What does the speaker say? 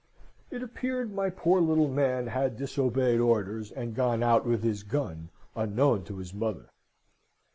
(It appeared my poor little man had disobeyed orders, and gone out with his gun, unknown to his mother.)